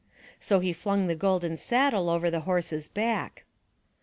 So he flung the golden saddle over the horse's back.